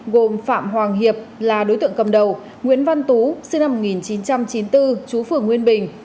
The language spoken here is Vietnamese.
gồm phạm hoàng hiệp là đối tượng cầm đầu nguyễn văn tú sinh năm một nghìn chín trăm chín mươi bốn chú phường nguyên bình